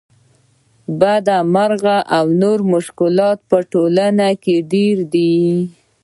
بدمرغۍ او نور مشکلات په ټولنه کې ډېر دي